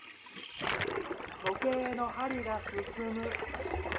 時計の針が進む。